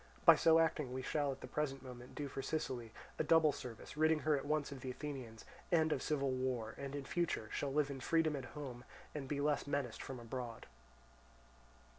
By so acting we shall at the present moment do for Sicily a double service, ridding her at once of the Athenians, and of civil war, and in future shall live in freedom at home, and be less menaced from abroad."